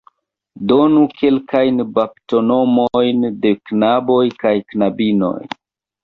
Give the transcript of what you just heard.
Donu kelkajn baptonomojn de knaboj kaj knabinoj.